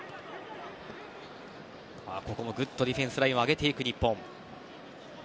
ここもぐっとディフェンスラインを上げる日本。